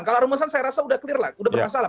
kalau rumusan saya rasa sudah clear lah